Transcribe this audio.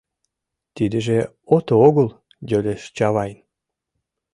— Тидыже ото огыл? — йодеш Чавайн.